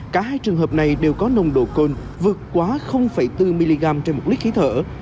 cả hai trường hợp này đều có nồng độ cồn vượt quá bốn mg trên một lít khí thở